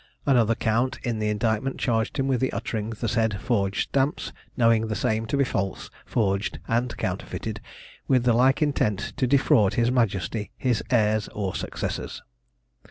Another count in the indictment charged him with uttering the said forged stamps, knowing the same to be false, forged, and counterfeited, with the like intent to defraud his Majesty, his heirs, or successors.